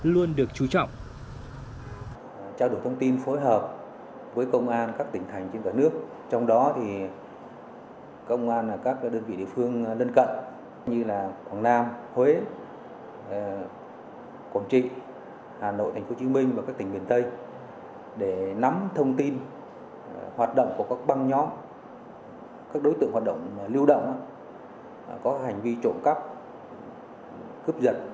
luôn được chú trọng